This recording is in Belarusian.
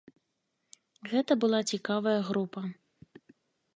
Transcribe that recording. Гэта была цікавая група.